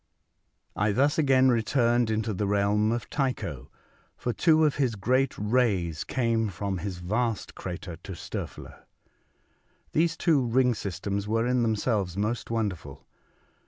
I thus again returned into the realm of Tycho, for two of his great rays came from his vast crater to Stoefler. These two ring systems were in themselves most wonderful.